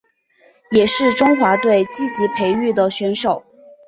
也是中华队积极培育的选手。